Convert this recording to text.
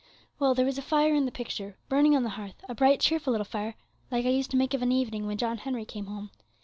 Well, there was a fire in the picture, burning on the hearth, a bright, cheerful, little fire, like I used to make of an evening when John Henry came home.